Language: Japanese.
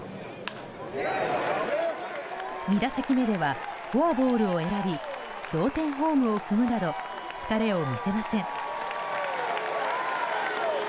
２打席目ではフォアボールを選び同点ホームを踏むなど疲れを見せません。